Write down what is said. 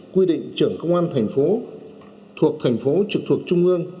quy định trưởng công an thành phố thuộc thành phố trực thuộc trung ương